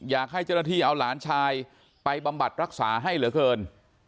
อยากให้เจ้าหน้าที่เอาหลานชายไปบำบัดรักษาให้เหลือเกิน